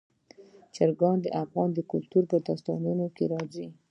چرګان د افغان کلتور په داستانونو کې راځي.